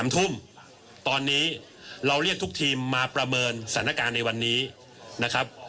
๓ทุ่มตอนนี้เราเรียกทุกทีมมาประเมินสถานการณ์ในวันนี้นะครับ